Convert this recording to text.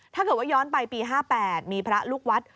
ถ้าเกิดว่าย้อนไปปี๕๘มีพระลูกวัด